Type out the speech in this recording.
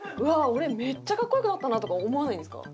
俺めっちゃかっこよくなったな」とか思わないんですか？